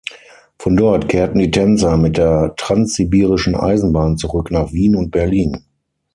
Von dort kehrten die Tänzer mit der Transsibirischen Eisenbahn zurück nach Wien und Berlin.